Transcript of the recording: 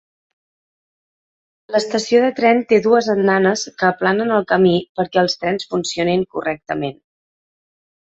L'estació de tren té dues andanes que aplanen el camí perquè els trens funcionin correctament.